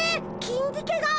キンディケが！？